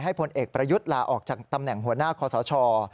พลเอกประยุทธ์ลาออกจากตำแหน่งหัวหน้าคอสช